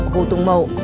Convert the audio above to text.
hồ tùng mậu